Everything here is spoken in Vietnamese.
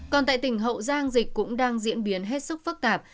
còn tại tỉnh hậu giang dịch cũng đang diễn biến hết sức phức tạp